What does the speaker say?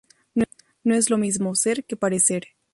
No es lo mismo ser que parecer